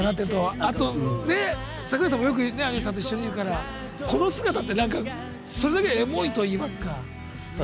あと櫻井さんもよく有吉さんと一緒にいるからこの姿って、それだけでエモいといいますかね。